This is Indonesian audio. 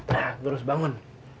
nah gua harus bangun